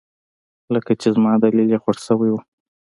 لکه چې زما دليل يې خوښ شوى و.